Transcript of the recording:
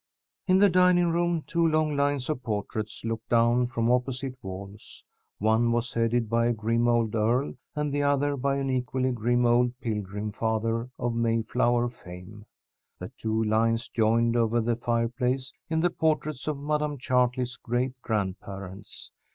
In the dining room, two long lines of portraits looked down from opposite walls. One was headed by a grim old earl, and the other by an equally grim old Pilgrim father of Mayflower fame. The two lines joined over the fireplace in the portraits of Madam Chartley's great grandparents.